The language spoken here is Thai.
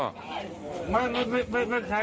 ทำอะไรมันเกินไปไง